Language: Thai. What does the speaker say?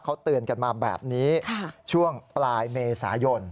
เขาเตือนกันมาแบบนี้ช่วงปลายเมษายน